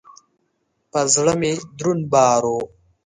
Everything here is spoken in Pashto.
پر زړه مي دروند بار و .